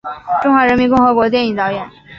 中华人民共和国电影导演。